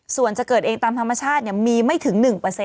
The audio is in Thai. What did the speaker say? ส่วนจะเกิดเองตามธรรมชาติมีไม่ถึง๑